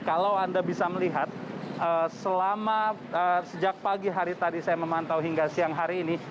kalau anda bisa melihat selama sejak pagi hari tadi saya memantau hingga siang hari ini